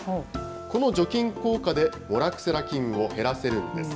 この除菌効果でモラクセラ菌を減らせるんです。